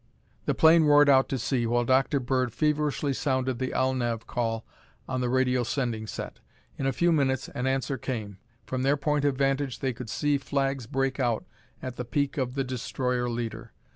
The plane roared out to sea while Dr. Bird feverishly sounded the "Alnav" call on the radio sending set. In a few minutes an answer came. From their point of vantage they could see flags break out at the peak of the destroyer leader.